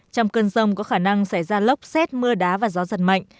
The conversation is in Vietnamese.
trong cơn rông có khả năng xảy ra lốc xét mưa đá và gió giật mạnh